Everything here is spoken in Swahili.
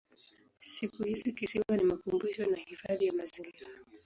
Siku hizi kisiwa ni makumbusho na hifadhi ya mazingira.